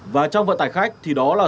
và trong vận tải khách thì đó là